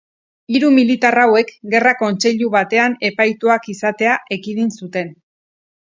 Hiru militar hauek gerra-kontseilu batean epaituak izatea ekidin zuten.